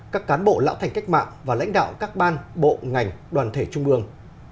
các cán bộ lão thành cách mạng và lãnh đạo các ban bộ ngành đoàn thể trung ương